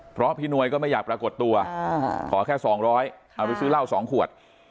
เพราะพี่นวยก็ไม่อยากปรากฏตัวขอแค่๒๐๐เอาไปซื้อเหล้า๒ขวด